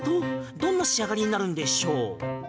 どんな仕上がりになるんでしょう？